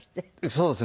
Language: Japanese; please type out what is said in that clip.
そうですね。